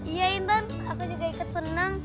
iya intan aku juga ikut senang